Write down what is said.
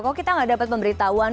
kok kita gak dapat pemberitahuan